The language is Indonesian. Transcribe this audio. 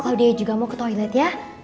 kalau dia juga mau ke toilet ya